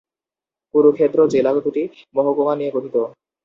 কুরুক্ষেত্র জেলা দুটি মহকুমা নিয়ে গঠিত।